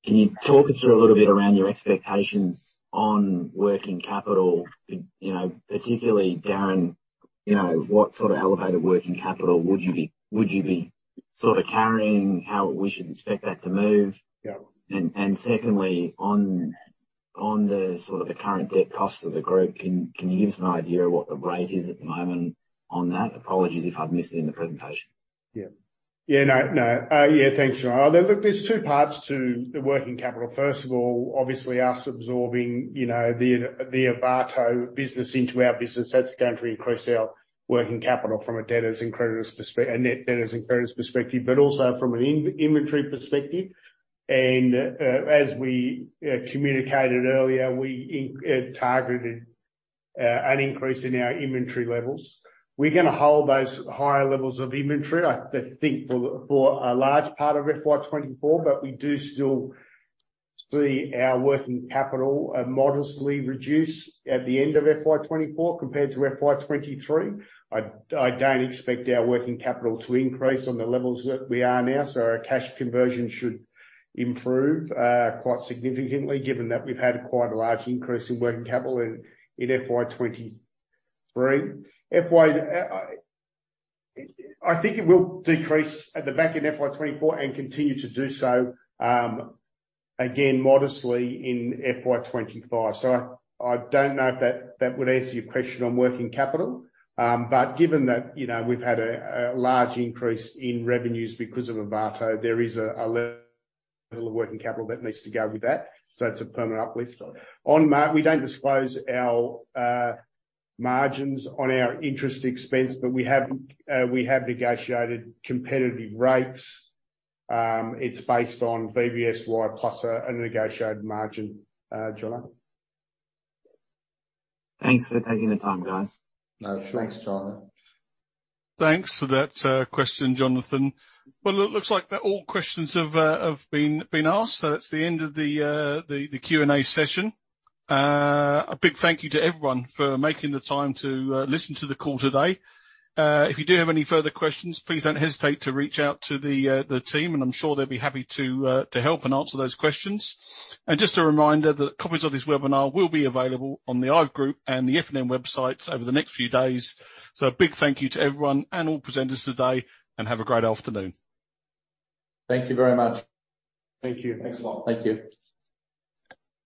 Speaker 9: Can you talk us through a little bit around your expectations on working capital? You know, particularly, Darren, you know, what sort of elevated working capital would you be, would you be sort of carrying? How we should expect that to move?
Speaker 4: Yeah.
Speaker 9: Secondly, on the sort of the current debt cost of the group, can you give us an idea of what the rate is at the moment on that? Apologies if I've missed it in the presentation.
Speaker 4: Yeah. Yeah, no, no. Yeah, thanks, Jonathan. Look, there's two parts to the working capital. First of all, obviously, us absorbing, you know, the Ovato business into our business, that's going to increase our working capital from a debtors and creditors perspective, a net debtors and creditors perspective, but also from an inventory perspective. And, as we communicated earlier, we targeted an increase in our inventory levels. We're going to hold those higher levels of inventory, I think, for a large part of FY 2024, but we do still see our working capital modestly reduced at the end of FY 2024 compared to FY 2023. I don't expect our working capital to increase on the levels that we are now, so our cash conversion should improve quite significantly, given that we've had quite a large increase in working capital in FY 2023. FY, I think it will decrease at the back in FY 2024 and continue to do so again, modestly in FY 2025. So I don't know if that would answer your question on working capital. But given that, you know, we've had a large increase in revenues because of Ovato, there is a little working capital that needs to go with that. So it's a permanent uplift. On margin, we don't disclose our margins on our interest expense, but we have negotiated competitive rates. It's based on BBSY plus a negotiated margin, Jonathan.
Speaker 9: Thanks for taking the time, guys.
Speaker 2: No, thanks, Jonathan.
Speaker 1: Thanks for that, question, Jonathan. Well, it looks like all questions have been asked, so that's the end of the Q&A session. A big thank you to everyone for making the time to listen to the call today. If you do have any further questions, please don't hesitate to reach out to the team, and I'm sure they'll be happy to help and answer those questions. Just a reminder that copies of this webinar will be available on the IVE Group and the FNN websites over the next few days. So a big thank you to everyone and all presenters today, and have a great afternoon.
Speaker 2: Thank you very much.
Speaker 4: Thank you.
Speaker 9: Thanks a lot.
Speaker 2: Thank you.